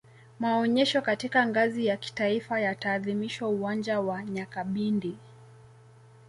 maonyesho katika ngazi ya kitaifa yataadhimishwa uwanja wa nyakabindi